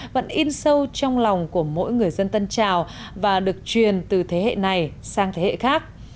vẫn in sâu trong lòng của mỗi người dân tân trào và được truyền từ thế hệ này sang thế hệ khác